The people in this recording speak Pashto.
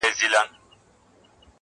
• دا طلاوي تر کلونو نه ختمیږي-